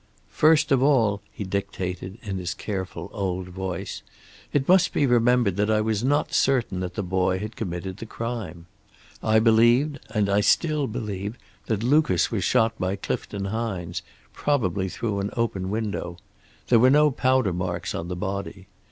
"First of all," he dictated, in his careful old voice, "it must be remembered that I was not certain that the boy had committed the crime. I believed, and I still believe, that Lucas was shot by Clifton Hines, probably through an open window. There were no powder marks on the body.